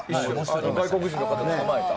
外国人の方を捕まえた。